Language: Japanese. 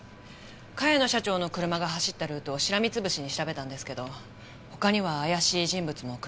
茅野社長の車が走ったルートをしらみつぶしに調べたんですけど他には怪しい人物も車も。